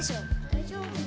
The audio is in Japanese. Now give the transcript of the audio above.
・大丈夫？